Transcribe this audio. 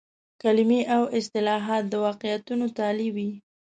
کلمې او اصطلاحات د واقعیتونو تالي وي.